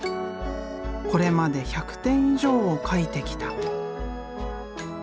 これまで１００点以上を描いてきた。